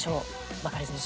バカリズムさん。